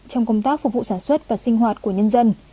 trong công tác phục vụ sản xuất và sinh hoạt của nhân dân